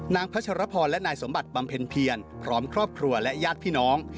พัชรพรและนายสมบัติบำเพ็ญเพียรพร้อมครอบครัวและญาติพี่น้อง